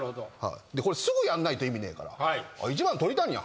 これすぐやんないと意味ねえから「１番鳥谷や。